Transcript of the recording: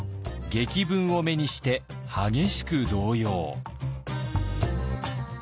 檄文を目にして激しく動揺。